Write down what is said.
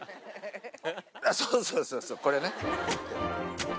そうそうそうそうこれね。